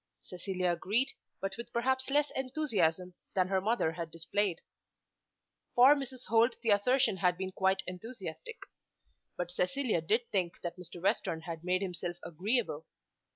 Cecilia agreed, but with perhaps less enthusiasm than her mother had displayed. For Mrs. Holt the assertion had been quite enthusiastic. But Cecilia did think that Mr. Western had made himself agreeable.